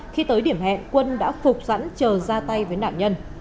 khi tới điểm hẹn quân đã phục sẵn chờ ra tay với nạn nhân